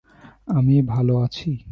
আমি ভালো আছি।